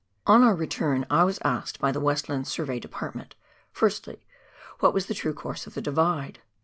On our return I was asked by the Westland Survey Depart ment — firstly, what was the true course of the Divide